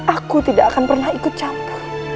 aku tidak akan pernah ikut campur